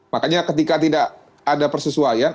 makanya ketika tidak ada persesuaian